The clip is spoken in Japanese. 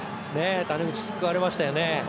谷口、救われましたよね。